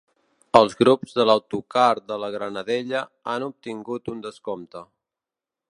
Els grups de l'autocar de La Granadella han obtingut un descompte.